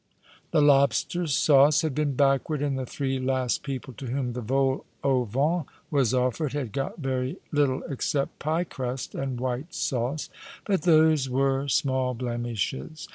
The lobster sauce had been backward, and the three last people to whom the vol au vent was offered had got very little except pie crust and white sauce, but those were small blemishes.